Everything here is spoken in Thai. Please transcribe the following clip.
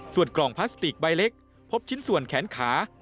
ส่วนกล่องพลาสติกใบเล็กพบชิ้นส่วนแขนขา